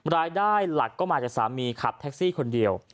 รายได้หลักก็มาจากสามีขับแท็กซี่คนเดียว